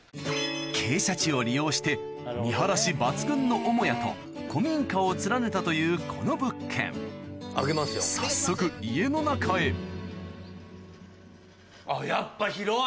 傾斜地を利用して見晴らし抜群の母屋と古民家を連ねたというこの物件早速広い！